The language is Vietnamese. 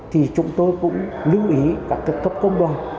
thì chúng tôi cũng lưu ý các tổ chức công đoàn